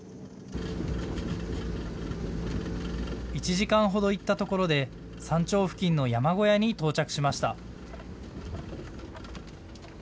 １時間ほど行ったところで山頂付近の山小屋に到着しました。